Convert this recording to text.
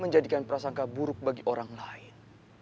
menjadikan prasangka buruk bagi orang lain